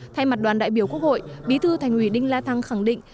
thay mặt đoàn đại biểu quốc hội bí thư thành ủy đinh la thăng khẳng định